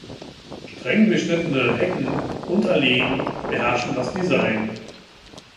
Streng beschnittene Hecken und Alleen beherrschen das Design.